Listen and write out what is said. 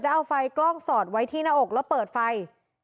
เอาไฟกล้องสอดไว้ที่หน้าอกแล้วเปิดไฟ